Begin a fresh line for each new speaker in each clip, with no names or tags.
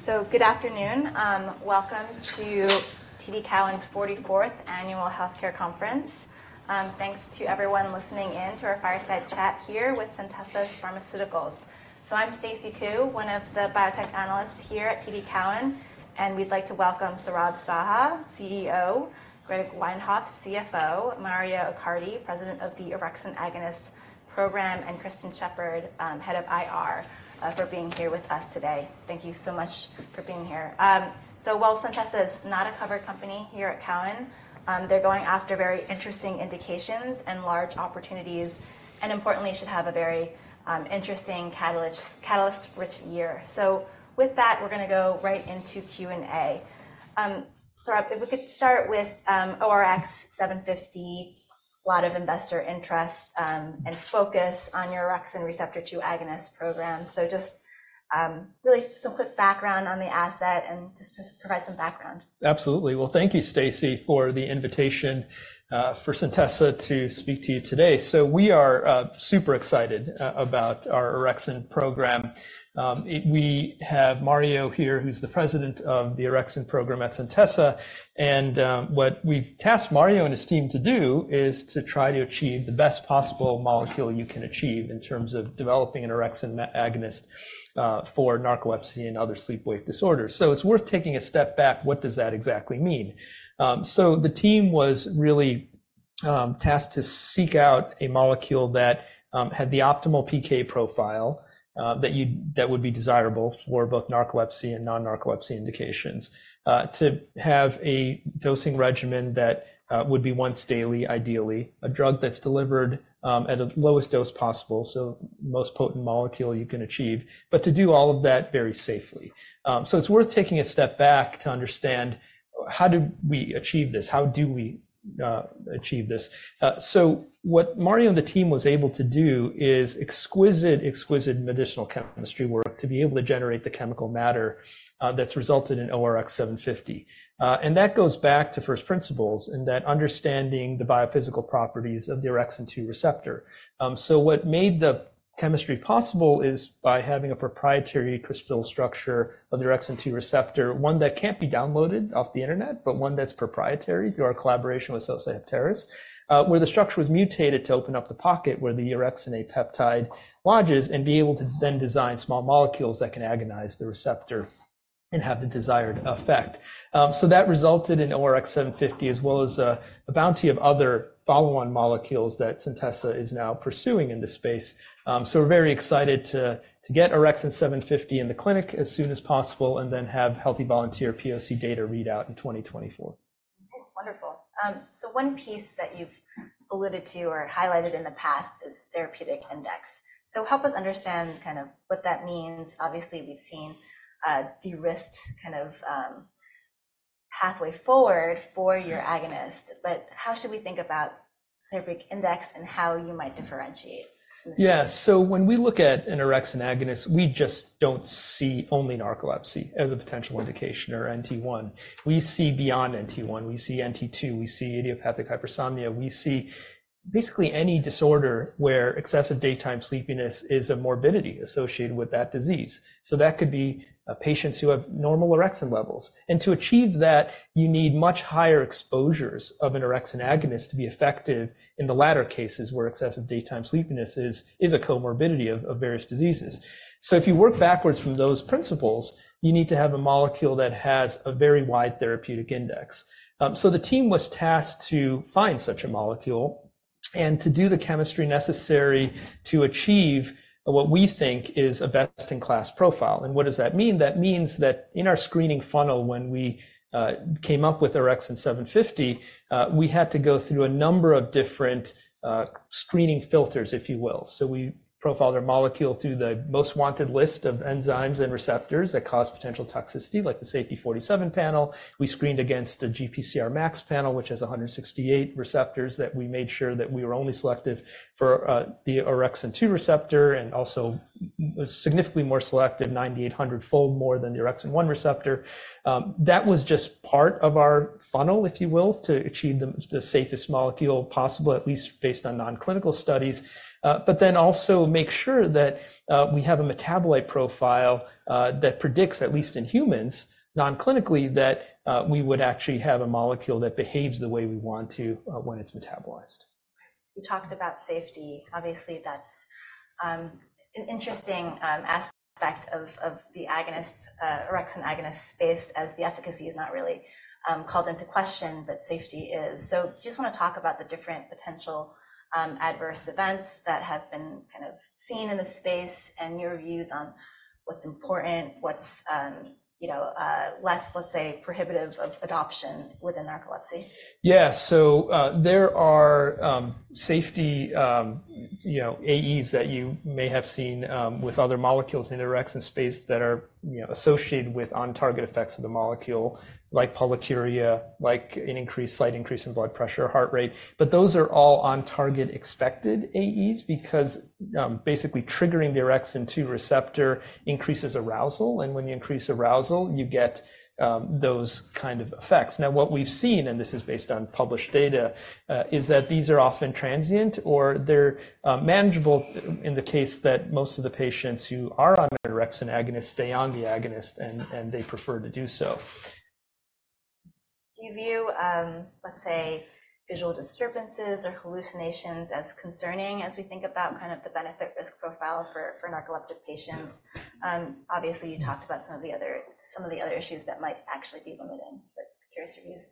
So good afternoon. Welcome to TD Cowen's 44th Annual Healthcare Conference. Thanks to everyone listening in to our fireside chat here with Centessa Pharmaceuticals. I'm Stacy Ku, one of the biotech analysts here at TD Cowen, and we'd like to welcome Saurabh Saha, CEO, Gregory Weinhoff, CFO, Mario Accardi, President of the Orexin Agonist Program, and Kristen Sheppard, Head of IR, for being here with us today. Thank you so much for being here. While Centessa is not a covered company here at Cowen, they're going after very interesting indications and large opportunities, and importantly, should have a very interesting catalyst, catalyst-rich year. With that, we're gonna go right into Q&A. Saurabh, if we could start with ORX750, a lot of investor interest and focus on your orexin receptor two agonist program. So just really some quick background on the asset and just provide some background.
Absolutely. Well, thank you, Stacy, for the invitation for Centessa to speak to you today. So we are super excited about our orexin program. We have Mario here, who's the President of the Orexin Program at Centessa, and what we've tasked Mario and his team to do is to try to achieve the best possible molecule you can achieve in terms of developing an orexin agonist for narcolepsy and other sleep-wake disorders. So it's worth taking a step back. What does that exactly mean? So the team was really tasked to seek out a molecule that had the optimal PK profile that would be desirable for both narcolepsy and non-narcolepsy indications. To have a dosing regimen that would be once daily, ideally, a drug that's delivered at the lowest dose possible, so most potent molecule you can achieve, but to do all of that very safely. So it's worth taking a step back to understand, how do we achieve this? How do we achieve this? So what Mario and the team was able to do is exquisite, exquisite medicinal chemistry work to be able to generate the chemical matter that's resulted in ORX750. And that goes back to first principles in that understanding the biophysical properties of the orexin-2 receptor. So what made the chemistry possible is by having a proprietary crystal structure of the Orexin-2 receptor, one that can't be downloaded off the internet, but one that's proprietary through our collaboration with Sosei Heptares, where the structure was mutated to open up the pocket where the Orexin A peptide lodges, and be able to then design small molecules that can agonize the receptor and have the desired effect. So that resulted in ORX750, as well as, a bounty of other follow-on molecules that Centessa is now pursuing in this space. So we're very excited to get ORX750 in the clinic as soon as possible and then have healthy volunteer POC data readout in 2024.
Oh, wonderful. So one piece that you've alluded to or highlighted in the past is therapeutic index. So help us understand kind of what that means. Obviously, we've seen a de-risked kind of pathway forward for your agonist, but how should we think about therapeutic index and how you might differentiate?
Yeah. So when we look at an orexin agonist, we just don't see only narcolepsy as a potential indication or NT1. We see beyond NT1, we see NT2, we see idiopathic hypersomnia. We see basically any disorder where excessive daytime sleepiness is a morbidity associated with that disease. So that could be patients who have normal orexin levels. And to achieve that, you need much higher exposures of an orexin agonist to be effective in the latter cases, where excessive daytime sleepiness is a comorbidity of various diseases. So if you work backwards from those principles, you need to have a molecule that has a very wide therapeutic index. So the team was tasked to find such a molecule and to do the chemistry necessary to achieve what we think is a best-in-class profile. And what does that mean? That means that in our screening funnel, when we came up with ORX750, we had to go through a number of different screening filters, if you will. So we profiled our molecule through the most wanted list of enzymes and receptors that cause potential toxicity, like the SafetyScreen47 panel. We screened against a GPCRMax panel, which has 168 receptors, that we made sure that we were only selective for the orexin-2 receptor, and also significantly more selective, 9800-fold more than the orexin-1 receptor. That was just part of our funnel, if you will, to achieve the safest molecule possible, at least based on non-clinical studies. But then also make sure that we have a metabolite profile that predicts, at least in humans, non-clinically, that we would actually have a molecule that behaves the way we want to when it's metabolized.
You talked about safety. Obviously, that's an interesting aspect of the orexin agonist space, as the efficacy is not really called into question, but safety is. So just wanna talk about the different potential adverse events that have been kind of seen in the space, and your views on what's important, what's you know less, let's say, prohibitive of adoption within narcolepsy.
Yeah. So, there are safety, you know, AEs that you may have seen with other molecules in the orexin space that are, you know, associated with on-target effects of the molecule, like polyuria, like an increased, slight increase in blood pressure or heart rate. But those are all on-target expected AEs, because basically triggering the Orexin-2 receptor increases arousal, and when you increase arousal, you get those kind of effects. Now, what we've seen, and this is based on published data, is that these are often transient or they're manageable in the case that most of the patients who are on orexin agonist stay on the agonist, and, and they prefer to do so....
Do you view, let's say, visual disturbances or hallucinations as concerning as we think about kind of the benefit-risk profile for narcoleptic patients? Obviously, you talked about some of the other issues that might actually be limiting, but curious your views.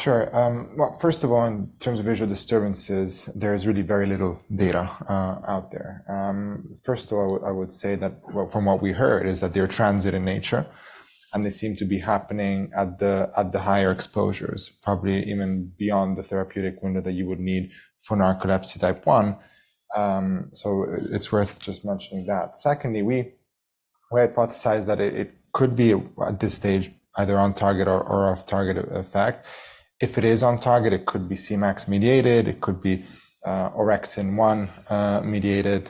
Sure. Well, first of all, in terms of visual disturbances, there is really very little data out there. First of all, I would say that, well, from what we heard, is that they're transient in nature, and they seem to be happening at the higher exposures, probably even beyond the therapeutic window that you would need for Narcolepsy Type 1. So it's worth just mentioning that. Secondly, we hypothesized that it could be a, at this stage, either on-target or off-target effect. If it is on target, it could be Cmax mediated, it could be Orexin-1 mediated.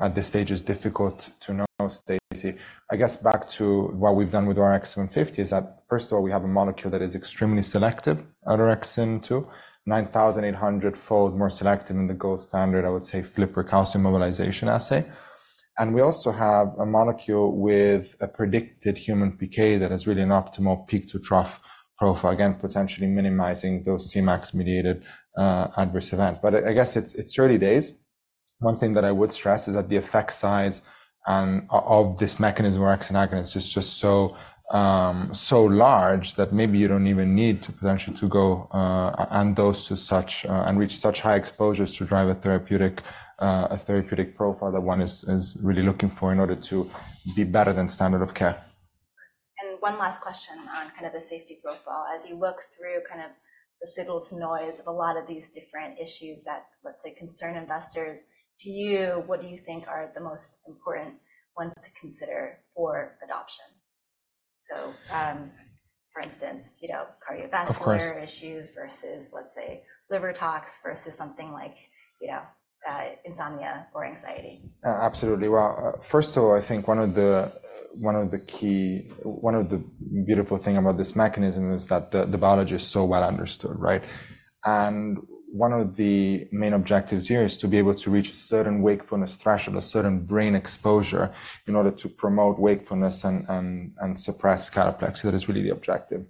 At this stage, it's difficult to know, Stacy. I guess back to what we've done with ORX750, is that, first of all, we have a molecule that is extremely selective at orexin-2, 9,800-fold more selective than the gold standard, I would say, FLIPR calcium mobilization assay. And we also have a molecule with a predicted human PK that is really an optimal peak-to-trough profile, again, potentially minimizing those Cmax-mediated adverse event. But I guess it's early days. One thing that I would stress is that the effect size of this mechanism, orexin agonist, is just so so large that maybe you don't even need to potentially to go and dose to such and reach such high exposures to drive a therapeutic a therapeutic profile that one is really looking for in order to be better than standard of care.
One last question on kind of the safety profile. As you look through kind of the signal to noise of a lot of these different issues that, let's say, concern investors, to you, what do you think are the most important ones to consider for adoption? So, for instance, you know, cardiovascular-
Of course...
issues versus, let's say, liver tox versus something like, you know, insomnia or anxiety.
Absolutely. Well, first of all, I think one of the beautiful thing about this mechanism is that the biology is so well understood, right? One of the main objectives here is to be able to reach a certain wakefulness threshold, a certain brain exposure, in order to promote wakefulness and suppress cataplexy. That is really the objective.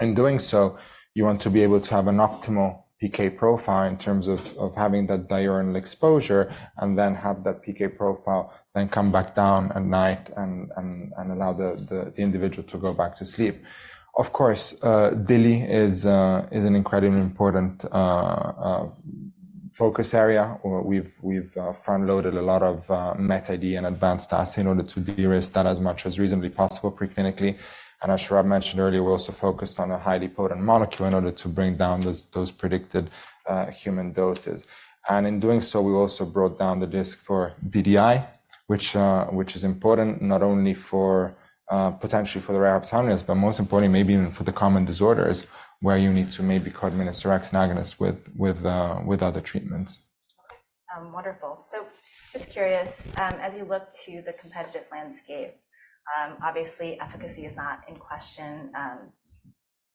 In doing so, you want to be able to have an optimal PK profile in terms of having that diurnal exposure and then have that PK profile then come back down at night and allow the individual to go back to sleep. Of course, DILI is an incredibly important focus area. We've front-loaded a lot of MetID and advanced assays in order to de-risk that as much as reasonably possible pre-clinically. As Saurabh mentioned earlier, we're also focused on a highly potent molecule in order to bring down those predicted human doses. In doing so, we also brought down the risk for DDI, which is important not only potentially for the rare insomnias, but most importantly, maybe even for the common disorders, where you need to maybe co-administer orexin agonist with other treatments.
Wonderful. So just curious, as you look to the competitive landscape, obviously efficacy is not in question,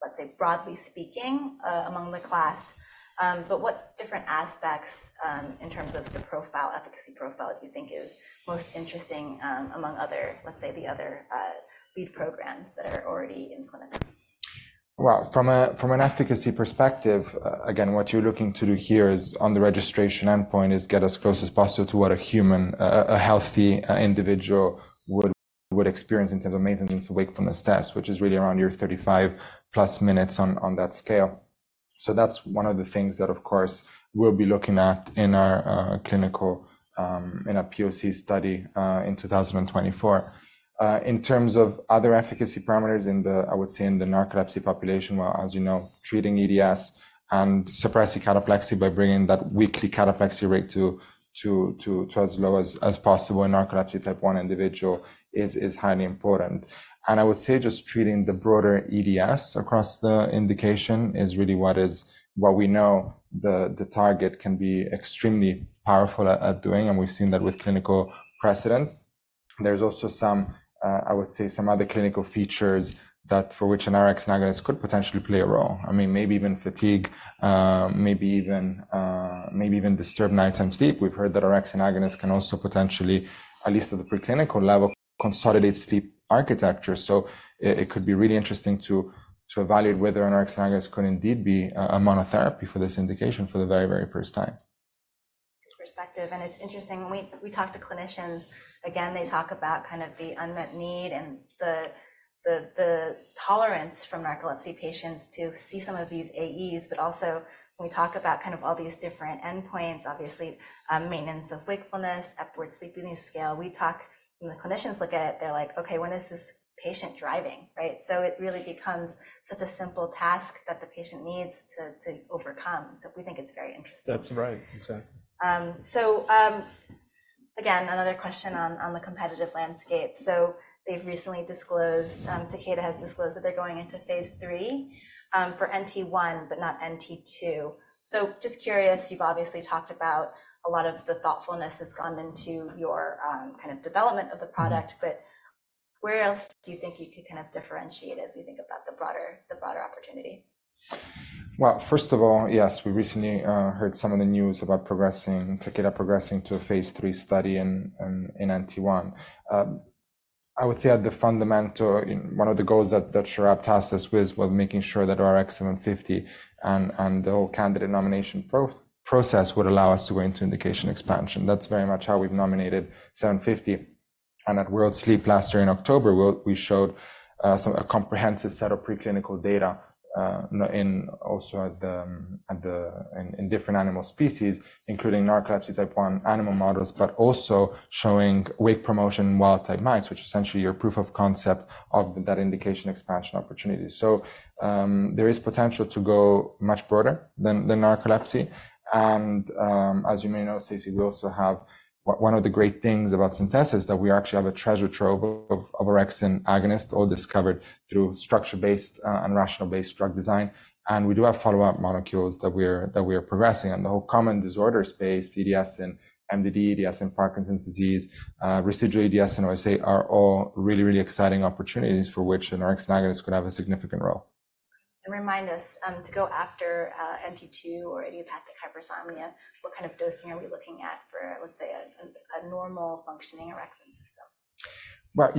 let's say, broadly speaking, among the class. But what different aspects, in terms of the profile, efficacy profile, do you think is most interesting, among other, let's say, the other, lead programs that are already in clinical?
Well, from an efficacy perspective, again, what you're looking to do here is, on the registration endpoint, is get as close as possible to what a human, a healthy individual would experience in terms of Maintenance of Wakefulness Test, which is really around your 35+ minutes on that scale. So that's one of the things that, of course, we'll be looking at in our clinical, in our POC study, in 2024. In terms of other efficacy parameters in the—I would say in the narcolepsy population, well, as you know, treating EDS and suppressing cataplexy by bringing that weekly cataplexy rate to as low as possible in Narcolepsy Type 1 individual is highly important. And I would say just treating the broader EDS across the indication is really what is... What we know the target can be extremely powerful at doing, and we've seen that with clinical precedence. There's also some I would say some other clinical features that for which an orexin agonist could potentially play a role. I mean, maybe even fatigue, maybe even, maybe even disturbed nighttime sleep. We've heard that orexin agonist can also potentially, at least at the preclinical level, consolidate sleep architecture. So it could be really interesting to evaluate whether an orexin agonist could indeed be a monotherapy for this indication for the very, very first time.
Perspective, and it's interesting. When we talk to clinicians, again, they talk about kind of the unmet need and the tolerance from narcolepsy patients to see some of these AEs. But also, when we talk about kind of all these different endpoints, obviously, maintenance of wakefulness, Epworth Sleepiness Scale, we talk. When the clinicians look at it, they're like, "Okay, when is this patient driving?" Right? So it really becomes such a simple task that the patient needs to overcome. So we think it's very interesting.
That's right. Exactly.
So, again, another question on the competitive landscape. So they've recently disclosed, Takeda has disclosed that they're going into phase 3 for NT1, but not NT2. So just curious, you've obviously talked about a lot of the thoughtfulness that's gone into your kind of development of the product, but where else do you think you could kind of differentiate as we think about the broader opportunity?...
Well, first of all, yes, we recently heard some of the news about progressing, Takeda progressing to a phase 3 study in NT1. I would say at the fundamental, one of the goals that Saurabh tasked us with was making sure that our ORX 750 and the whole candidate nomination process would allow us to go into indication expansion. That's very much how we've nominated 750. And at World Sleep last year in October, we showed a comprehensive set of preclinical data in different animal species, including Narcolepsy Type 1 animal models, but also showing wake promotion in wild-type mice, which essentially are proof of concept of that indication expansion opportunity. So, there is potential to go much broader than narcolepsy. As you may know, Stacy, we also have one of the great things about Centessa is that we actually have a treasure trove of orexin agonist, all discovered through structure-based and rational-based drug design. We do have follow-up molecules that we're progressing on. The whole common disorder space, EDS and MDD, EDS and Parkinson's disease, residual EDS and OSA are all really, really exciting opportunities for which an orexin agonist could have a significant role.
Remind us to go after NT2 or idiopathic hypersomnia, what kind of dosing are we looking at for, let's say, a normal functioning orexin system?
Well,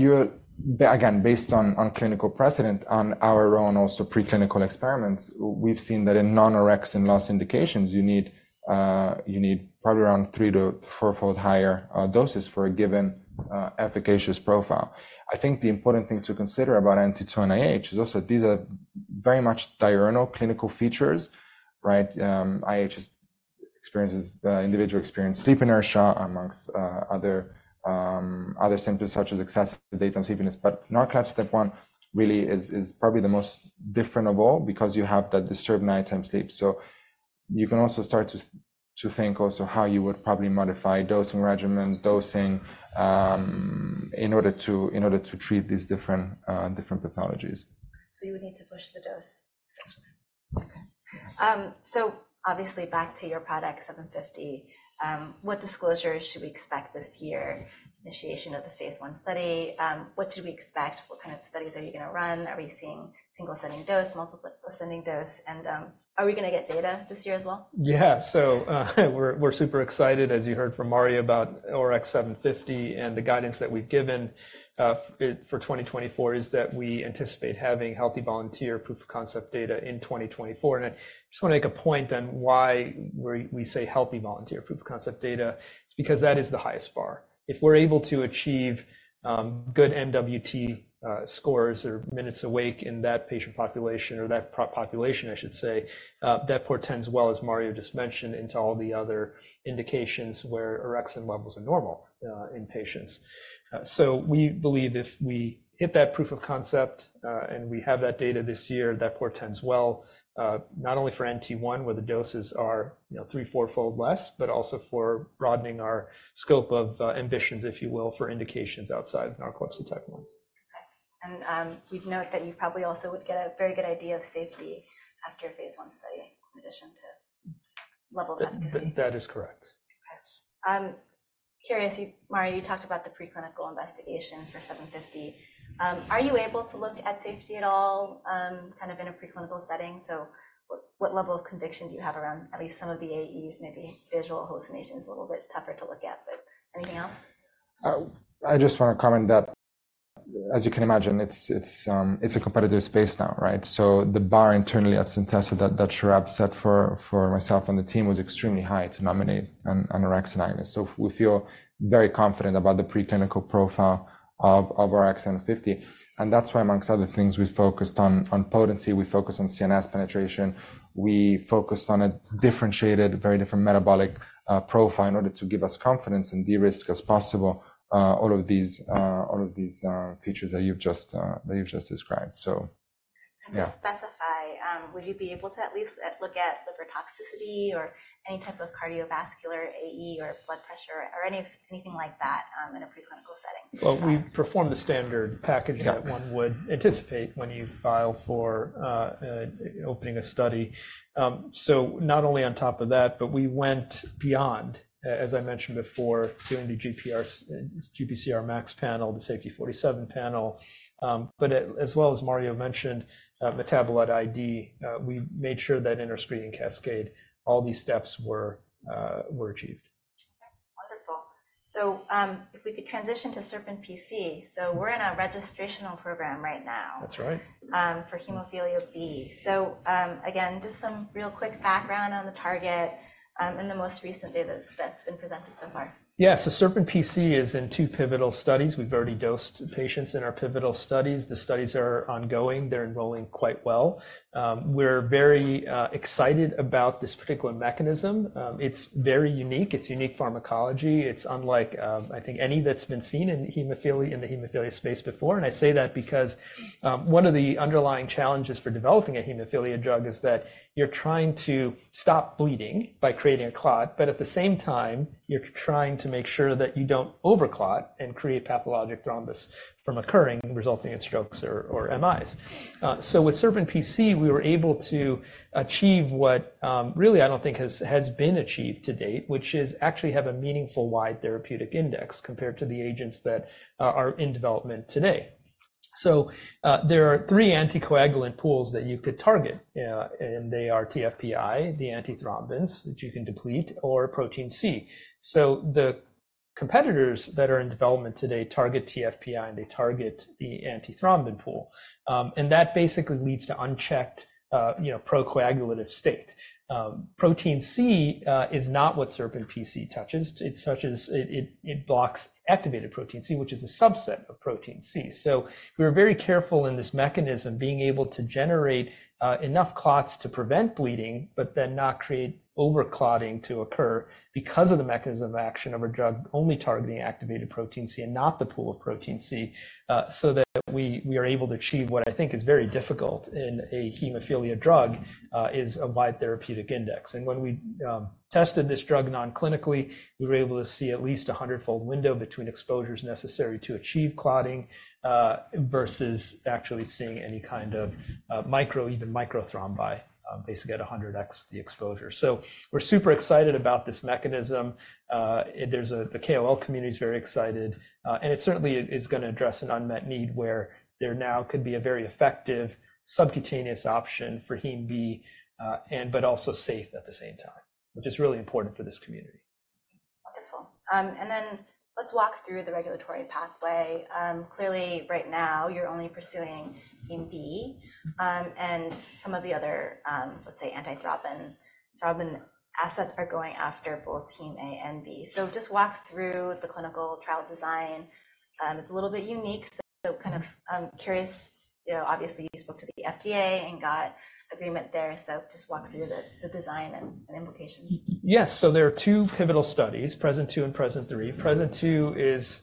again, based on clinical precedent, on our own preclinical experiments, we've seen that in non-orexin loss indications, you need probably around 3-4-fold higher doses for a given efficacious profile. I think the important thing to consider about NT2 and IH is also these are very much diurnal clinical features, right? In IH, the individual experiences sleep inertia amongst other symptoms such as excessive daytime sleepiness. But Narcolepsy Type 1 really is probably the most different of all because you have that disturbed nighttime sleep. So you can also start to think how you would probably modify dosing regimens, dosing in order to treat these different pathologies.
You would need to push the dose?
Okay. Yes.
So obviously back to your product, 750, what disclosures should we expect this year? Initiation of the phase 1 study, what should we expect? What kind of studies are you gonna run? Are we seeing single ascending dose, multiple ascending dose, and, are we gonna get data this year as well?
Yeah. So, we're super excited, as you heard from Mario, about ORX750, and the guidance that we've given for 2024 is that we anticipate having healthy volunteer proof of concept data in 2024. And I just wanna make a point on why we say healthy volunteer proof of concept data, it's because that is the highest bar. If we're able to achieve good MWT scores or minutes awake in that patient population, or that population, I should say, that portends well, as Mario just mentioned, into all the other indications where orexin levels are normal in patients. So we believe if we hit that proof of concept, and we have that data this year, that portends well, not only for NT1, where the doses are, you know, 3-4-fold less, but also for broadening our scope of ambitions, if you will, for indications outside Narcolepsy Type 1.
Okay. And, we'd note that you probably also would get a very good idea of safety after phase 1 study, in addition to level of-
That is correct.
Okay. I'm curious, you, Mario, you talked about the preclinical investigation for 750. Are you able to look at safety at all, kind of in a preclinical setting? So what level of conviction do you have around at least some of the AEs, maybe visual hallucinations, a little bit tougher to look at, but anything else?
I just wanna comment that, as you can imagine, it's a competitive space now, right? So the bar internally at Centessa that Saurabh set for myself and the team was extremely high to nominate an orexin agonist. So we feel very confident about the preclinical profile of ORX750. And that's why, amongst other things, we focused on potency, we focused on CNS penetration, we focused on a differentiated, very different metabolic profile in order to give us confidence and de-risk as possible all of these features that you've just described. So, yeah.
To specify, would you be able to at least look at liver toxicity or any type of cardiovascular AE or blood pressure or anything like that in a preclinical setting?
Well, we performed the standard package-
Yeah...
that one would anticipate when you file for opening a study. So not only on top of that, but we went beyond, as I mentioned before, doing the GPCRMax panel, the SafetyScreen47 panel, but as well as Mario mentioned, metabolite ID, we made sure that in our screening cascade, all these steps were achieved.
Wonderful. So, if we could transition to SerpinPC. We're in a registrational program right now.
That's right...
for hemophilia B. So, again, just some real quick background on the target, and the most recent data that's been presented so far.
Yeah. So SerpinPC is in two pivotal studies. We've already dosed patients in our pivotal studies. The studies are ongoing. They're enrolling quite well. We're very excited about this particular mechanism. It's very unique. It's unique pharmacology. It's unlike, I think, any that's been seen in hemophilia, in the hemophilia space before. And I say that because, one of the underlying challenges for developing a hemophilia drug is that you're trying to stop bleeding by creating a clot, but at the same time, you're trying to make sure that you don't overclot and create pathologic thrombus from occurring, resulting in strokes or, or MIs. So with SerpinPC, we were able to achieve what, really, I don't think has been achieved to date, which is actually have a meaningful wide therapeutic index compared to the agents that are in development today. So, there are three anticoagulant pools that you could target, and they are TFPI, the antithrombins, that you can deplete, or protein C. So the competitors that are in development today target TFPI, and they target the antithrombin pool. And that basically leads to unchecked, you know, procoagulative state. Protein C is not what SerpinPC touches. It's such as it blocks activated protein C, which is a subset of protein C. So we are very careful in this mechanism, being able to generate enough clots to prevent bleeding, but then not create over clotting to occur, because of the mechanism of action of a drug only targeting the activated Protein C and not the pool of Protein C. So that we are able to achieve what I think is very difficult in a hemophilia drug is a wide therapeutic index. And when we tested this drug non-clinically, we were able to see at least a 100-fold window between exposures necessary to achieve clotting versus actually seeing any kind of micro, even microthrombi, basically at 100X the exposure. So we're super excited about this mechanism. There's a... The KOL community is very excited, and it certainly is gonna address an unmet need, where there now could be a very effective subcutaneous option for hem B, and but also safe at the same time, which is really important for this community.
Wonderful. And then let's walk through the regulatory pathway. Clearly, right now, you're only pursuing hem B, and some of the other, let's say, antithrombin, thrombin assets are going after both hem A and B. So just walk through the clinical trial design. It's a little bit unique, so kind of, I'm curious, you know, obviously, you spoke to the FDA and got agreement there, so just walk through the design and implications.
Yes. So there are two pivotal studies, PRESento-2 and PRESento-3. PRESento-2 is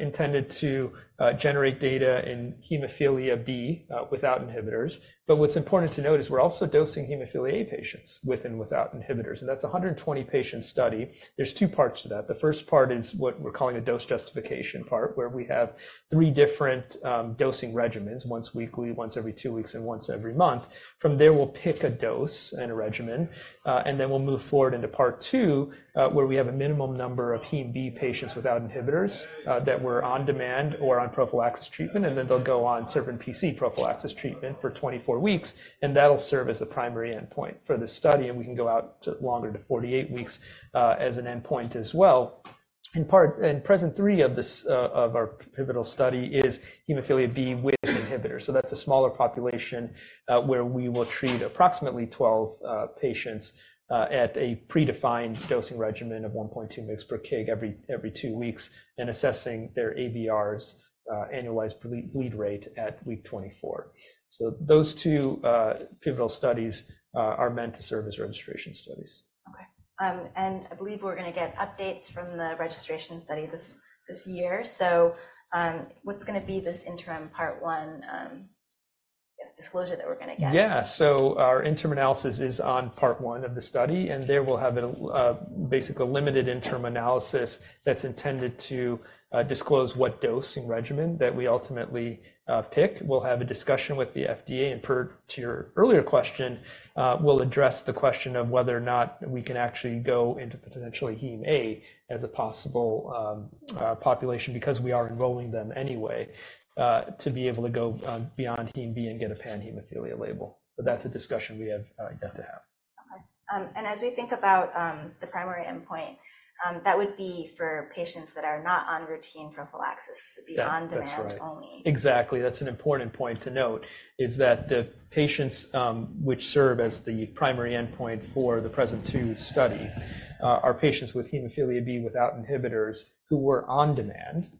intended to generate data in hemophilia B without inhibitors. But what's important to note is we're also dosing hemophilia A patients with and without inhibitors, and that's a 120 patient study. There are two parts to that. The first part is what we're calling a dose justification part, where we have three different dosing regimens: once weekly, once every two weeks, and once every month. From there, we'll pick a dose and a regimen, and then we'll move forward into part 2, where we have a minimum number of hem B patients without inhibitors, that were on-demand or on prophylaxis treatment, and then they'll go on SerpinPC prophylaxis treatment for 24 weeks, and that'll serve as the primary endpoint for this study, and we can go out to longer to 48 weeks, as an endpoint as well. In part, in PRESento-3 of this, of our pivotal study is hemophilia B with inhibitors. So that's a smaller population, where we will treat approximately 12 patients, at a predefined dosing regimen of 1.2 mg per kg every 2 weeks, and assessing their ABRs, annualized bleed rate at week 24. So those two pivotal studies are meant to serve as registration studies.
Okay. And I believe we're gonna get updates from the registration study this, this year. So, what's gonna be this interim part one, disclosure that we're gonna get?
Yeah. So our interim analysis is on part one of the study, and there we'll have basically a limited interim analysis that's intended to disclose what dosing regimen that we ultimately pick. We'll have a discussion with the FDA, and per to your earlier question, we'll address the question of whether or not we can actually go into potentially hem A as a possible population, because we are enrolling them anyway to be able to go beyond hem B and get a pan-hemophilia label. But that's a discussion we have yet to have.
Okay. And as we think about, the primary endpoint, that would be for patients that are not on routine prophylaxis-
Yeah, that's right.
To be on-demand only.
Exactly. That's an important point to note, is that the patients, which serve as the primary endpoint for the PRESento-2 study, are patients with hemophilia B without inhibitors who were on-demand.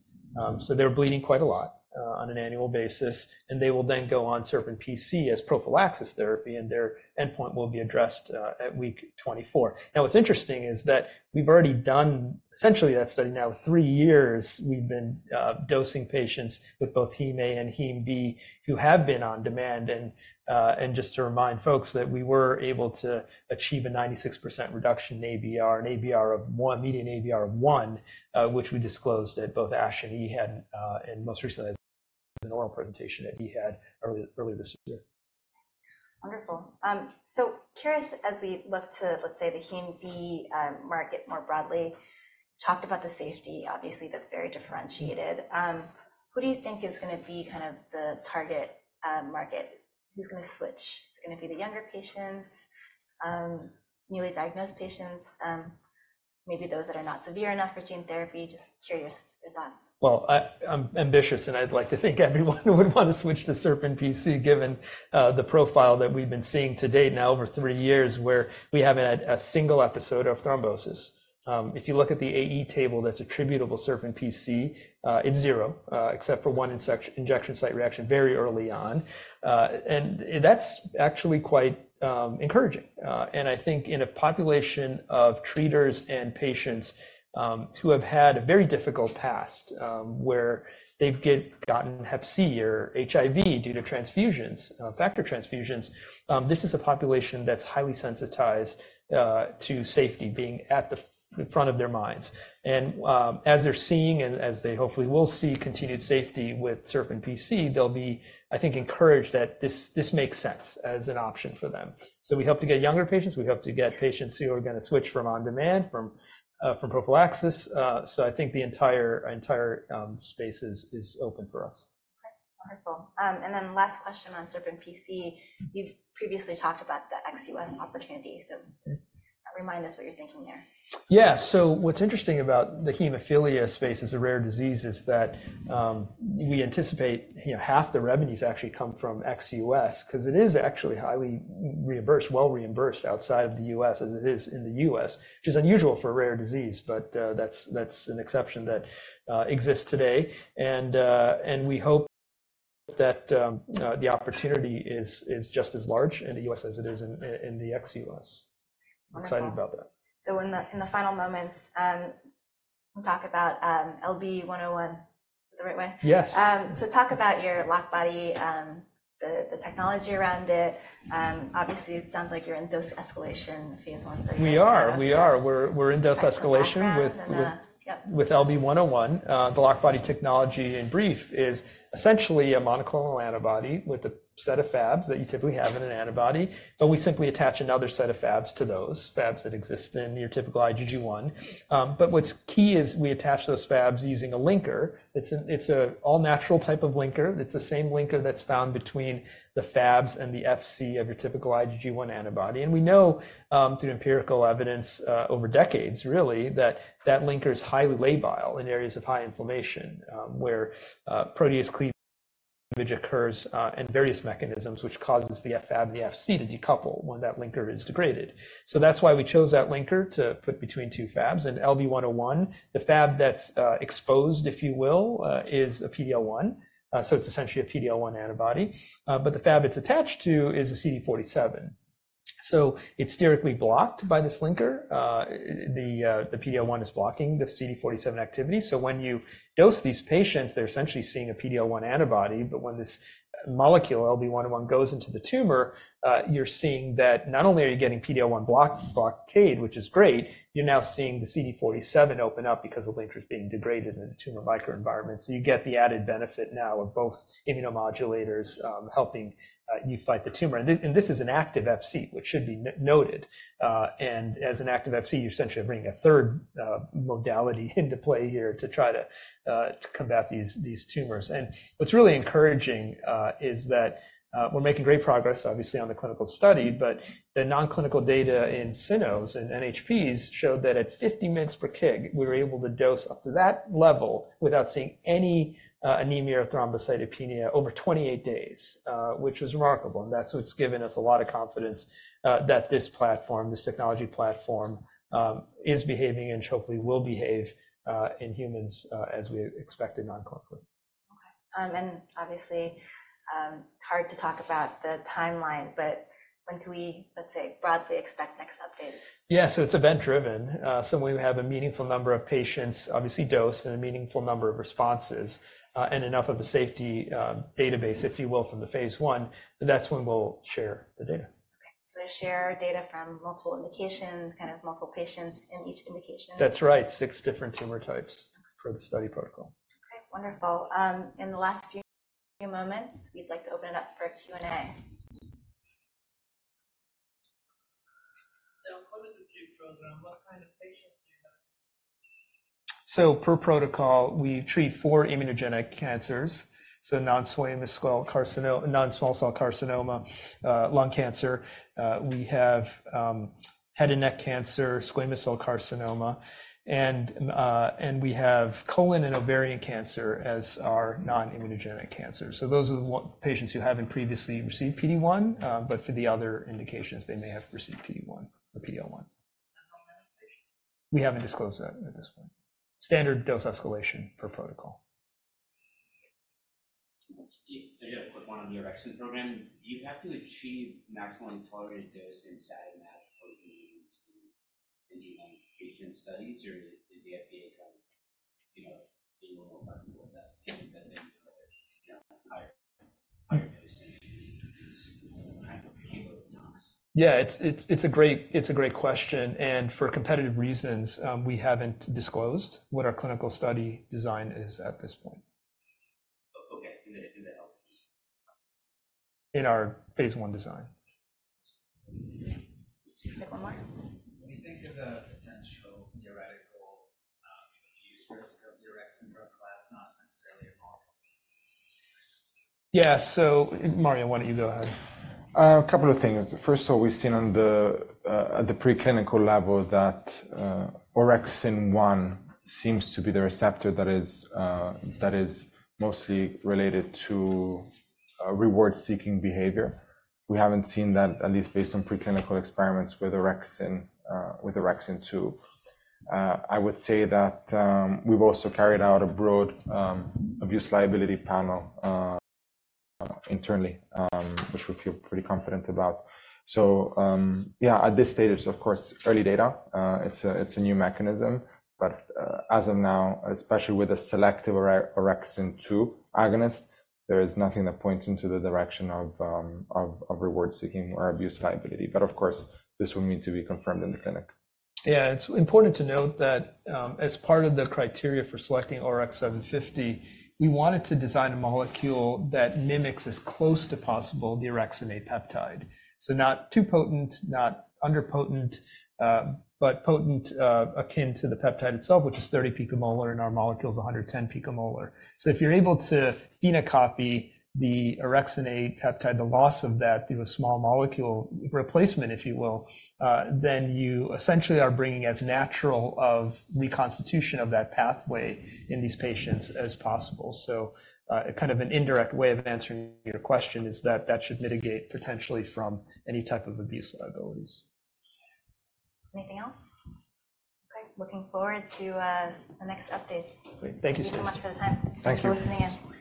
So they're bleeding quite a lot, on an annual basis, and they will then go on SerpinPC as prophylaxis therapy, and their endpoint will be addressed, at week 24. Now, what's interesting is that we've already done essentially that study now 3 years. We've been dosing patients with both hem A and hem B who have been on-demand, and just to remind folks that we were able to achieve a 96% reduction in ABR, an ABR of 1, median ABR of 1, which we disclosed at both ASH and EAHAD, and most recently, an oral presentation at EAHAD earlier this year.
Wonderful. So curious, as we look to, let's say, the hem B market more broadly. Talked about the safety, obviously, that's very differentiated. Who do you think is gonna be kind of the target market? Who's gonna switch? Is it gonna be the younger patients, newly diagnosed patients, maybe those that are not severe enough for gene therapy? Just curious your thoughts.
Well, I'm ambitious, and I'd like to think everyone would want to switch to SerpinPC, given the profile that we've been seeing to date now over three years, where we haven't had a single episode of thrombosis. If you look at the AE table that's attributable to SerpinPC, it's zero, except for one injection site reaction very early on. And that's actually quite encouraging. And I think in a population of treaters and patients, who have had a very difficult past, where they've gotten hep C or HIV due to transfusions, factor transfusions, this is a population that's highly sensitized to safety being at the front of their minds. And as they're seeing and as they hopefully will see continued safety with SerpinPC, they'll be-... I think encouraged that this makes sense as an option for them. So we hope to get younger patients, we hope to get patients who are going to switch from on-demand from prophylaxis. So I think the entire space is open for us.
Okay, wonderful. And then last question on SerpinPC. You've previously talked about the ex-US opportunity, so just remind us what you're thinking there?
Yeah. So what's interesting about the hemophilia space as a rare disease is that, we anticipate, you know, half the revenues actually come from ex-US, 'cause it is actually highly reimbursed, well reimbursed outside of the US as it is in the US, which is unusual for a rare disease, but, that's an exception that exists today. And we hope that the opportunity is just as large in the US as it is in the ex-US.
Wonderful.
I'm excited about that.
In the final moments, we'll talk about LB101. Is that the right way?
Yes.
So talk about your LockBody, the technology around it. Obviously, it sounds like you're in dose escalation, phase 1.
We're in dose escalation.
Background, and then, Yep.
With LB101. The LockBody technology, in brief, is essentially a monoclonal antibody with a set of Fabs that you typically have in an antibody, but we simply attach another set of Fabs to those Fabs that exist in your typical IgG1. But what's key is we attach those Fabs using a linker. It's an, it's an all-natural type of linker. It's the same linker that's found between the Fabs and the Fc of your typical IgG1 antibody. And we know, through empirical evidence, over decades, really, that that linker is highly labile in areas of high inflammation, where protease cleavage occurs, and various mechanisms, which causes the Fab and the Fc to decouple when that linker is degraded. So that's why we chose that linker to put between two Fabs. In LB101, the Fab that's exposed, if you will, is a PD-L1. So it's essentially a PD-L1 antibody. But the Fab it's attached to is a CD47. So it's sterically blocked by this linker. The PD-L1 is blocking the CD47 activity. So when you dose these patients, they're essentially seeing a PD-L1 antibody, but when this molecule, LB101, goes into the tumor, you're seeing that not only are you getting PD-L1 blockade, which is great, you're now seeing the CD47 open up because the linker is being degraded in the tumor microenvironment. So you get the added benefit now of both immunomodulators helping you fight the tumor. And this is an active Fc, which should be noted. As an active Fc, you're essentially bringing a third modality into play here to try to combat these tumors. What's really encouraging is that we're making great progress, obviously, on the clinical study, but the non-clinical data in cynos and NHPs showed that at 50 mg per kg, we were able to dose up to that level without seeing any anemia or thrombocytopenia over 28 days, which was remarkable. That's what's given us a lot of confidence that this platform, this technology platform, is behaving and hopefully will behave in humans as we expected non-clinically.
Okay. And obviously, hard to talk about the timeline, but when can we, let's say, broadly expect next updates?
Yeah, so it's event-driven. So when we have a meaningful number of patients, obviously, dose and a meaningful number of responses, and enough of a safety database, if you will, from the phase 1, that's when we'll share the data.
Okay. So share data from multiple indications, kind of multiple patients in each indication?
That's right. Six different tumor types for the study protocol.
Okay, wonderful. In the last few moments, we'd like to open it up for Q&A.
According to the program, what kind of patients do you have?
So per protocol, we treat four immunogenic cancers, so non-small cell carcinoma, lung cancer. We have head and neck cancer, squamous cell carcinoma, and, and we have colon and ovarian cancer as our non-immunogenic cancers. So those are the ones patients who haven't previously received PD-1, but for the other indications, they may have received PD-1 or PD-L1.
How many patients?
We haven't disclosed that at this point. Standard dose escalation per protocol.
Just a quick one on the orexin program. Do you have to achieve maximum tolerated dose inside of that for in-human patient studies, or does the FDA, you know, be more flexible with that, than maybe, you know, higher, higher dose than you would use in typical doses?
Yeah, it's a great question, and for competitive reasons, we haven't disclosed what our clinical study design is at this point.
Okay. In the LB's?
In our phase 1 design.
Take one more.
When you think of the potential theoretical, use risk of the orexin drug class, not necessarily involved.
Yeah. So, Mario, why don't you go ahead?
A couple of things. First of all, we've seen on the, at the preclinical level that, Orexin-1 seems to be the receptor that is, that is mostly related to, reward-seeking behavior. We haven't seen that, at least based on preclinical experiments with orexin, with Orexin-2. I would say that, we've also carried out a broad, abuse liability panel, internally, which we feel pretty confident about. So, yeah, at this stage, it's, of course, early data. It's a, it's a new mechanism, but, as of now, especially with a selective Orexin-2 agonist, there is nothing that points into the direction of, of, of reward-seeking or abuse liability. But of course, this would need to be confirmed in the clinic.
Yeah, it's important to note that, as part of the criteria for selecting ORX750, we wanted to design a molecule that mimics as close to possible the Orexin A peptide. So not too potent, not under potent, but potent, akin to the peptide itself, which is 30 picomolar, and our molecule is 110 picomolar. So if you're able to phenocopy the Orexin A peptide, the loss of that through a small molecule replacement, if you will, then you essentially are bringing as natural of reconstitution of that pathway in these patients as possible. So, kind of an indirect way of answering your question is that that should mitigate potentially from any type of abuse liabilities.
Anything else? Okay, looking forward to the next updates.
Great. Thank you.
Thank you so much for the time.
Thanks.
Thanks for listening in.